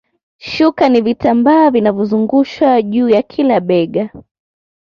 Shuka ni vitambaa vinavyozungushwa juu ya kila bega